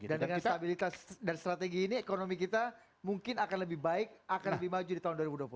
dan dengan stabilitas dan strategi ini ekonomi kita mungkin akan lebih baik akan lebih maju di tahun dua ribu dua puluh